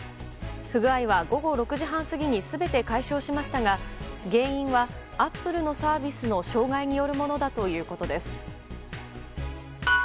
不具合は午後６時半過ぎに全て解消しましたが原因はアップルのサービスの障害によるものだということです。